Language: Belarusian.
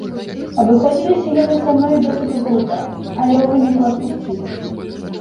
Абыходзіліся яны са мной досыць груба, але ў выніку адпусцілі.